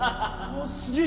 すげえ！